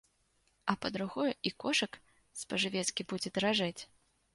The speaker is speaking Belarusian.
А па-другое, і кошык спажывецкі будзе даражэць.